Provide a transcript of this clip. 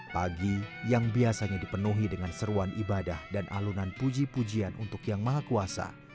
pagi yang biasanya dipenuhi dengan seruan ibadah dan alunan puji pujian untuk yang maha kuasa